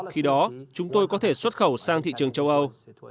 khi đó chúng tôi có thể xuất khẩu sang thị trường châu âu